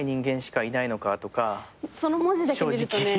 その文字だけ見るとね。